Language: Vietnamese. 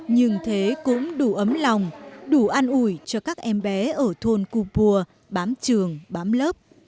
nhưng thế cũng đủ ấm lòng đủ ăn ủi cho các em bé ở thôn cô pua bám trường bám lớp